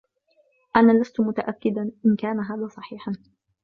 أنا لست متأكداً إن كان هذا صحيحاً.